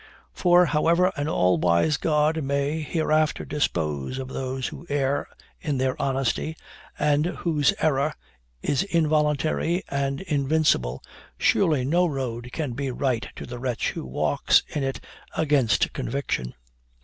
For, however an all wise God may hereafter dispose of those who err in their honesty, and whose error, is involuntary and invincible, surely no road can be right to the wretch who walks in it against conviction.